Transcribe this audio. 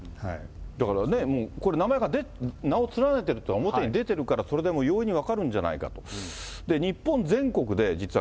だからね、これもう、名前が出てる、名を連ねてる、表に出てるからそれでも容易に分かるんじゃないかと。